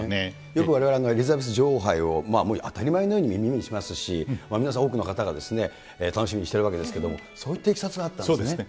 よくわれわれ、エリザベス女王杯を当たり前のように耳にしますし、皆さん、多くの方が楽しみにしているわけですけれども、そういったいきさつがあったんですね。